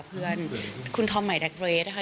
เพื่อนคุณทอมไหมดัคเบรดค่ะ